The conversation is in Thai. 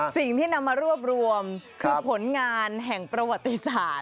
สิ่งที่นำมารวบรวมคือผลงานแห่งประวัติศาสตร์